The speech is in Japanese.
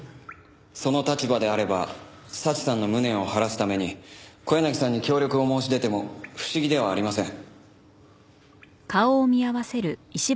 その立場であれば早智さんの無念を晴らすために小柳さんに協力を申し出ても不思議ではありません。